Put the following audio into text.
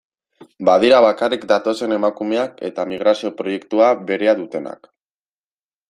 Badira bakarrik datozen emakumeak eta migrazio proiektua berea dutenak.